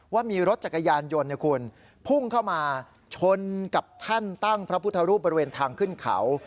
ว่ามีรถจักรยานยนต์พุ่งเข้ามาชนกับแท่นตั้งพระพุทธรูปบริเวณทางขึ้นเขา